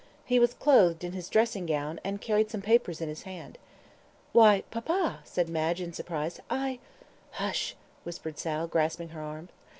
He was clothed in his dressing gown, and carried some papers in his hand. "Why, papa," said Madge, in surprise. "I " "Hush!" whispered Sal, grasping her arms.